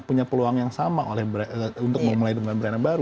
punya peluang yang sama untuk memulai dengan brand yang baru